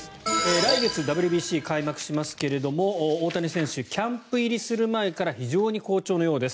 来月、ＷＢＣ開幕しますけれど大谷選手キャンプ入りする前から非常に好調のようです。